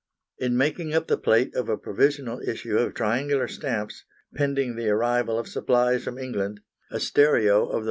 In making up the plate of a provisional issue of triangular stamps, pending the arrival of supplies from England, a stereo of the 1d.